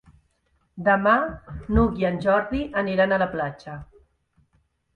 Demà n'Hug i en Jordi aniran a la platja.